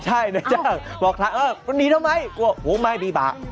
ใช่บอกทางนี่ทำไมกลัวว่าไม่มีบัตร